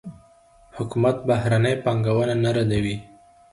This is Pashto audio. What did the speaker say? حکومت بهرنۍ پانګونه نه ردوي.